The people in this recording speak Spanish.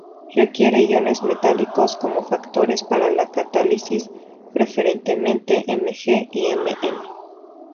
Requiere iones metálicos como cofactores para la catálisis, preferentemente Mg y Mn.